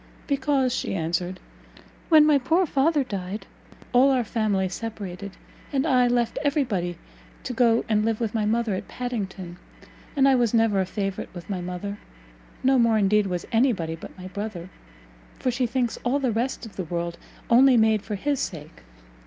"Because," she answered, "when my poor father died all our family separated, and I left every body to go and live with my mother at Padington; and I was never a favourite with my mother no more, indeed, was any body but my brother, for she thinks all the rest of the world only made for his sake.